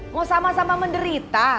mau sama sama menderita